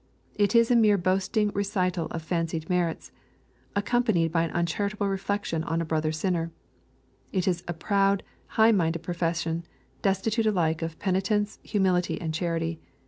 It is a mere boasting recital of fancied merits, accouipa nied by an uncharitable reflection on a brother singer. It is a proud, high minded profession, destitute alike rf penitence, humility, and charity.